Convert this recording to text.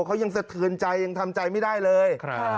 เขายังสะเทือนใจยังทำใจไม่ได้เลย